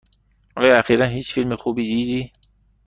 آیا اخیرا هیچ فیلم خوبی دیدی؟